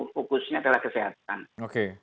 fokusnya adalah kesehatan oke